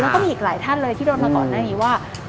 แล้วก็มีอีกหลายท่านเลยที่โดนมาก่อนหน้านี้ว่า